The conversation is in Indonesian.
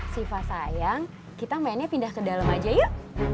siva sayang kita mainnya pindah ke dalam aja yuk